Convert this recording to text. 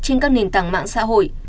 trên các nền tảng mạng xã hội